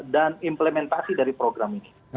dan implementasi dari program ini